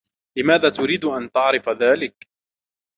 لماذا تريد أن تعرف ذلك؟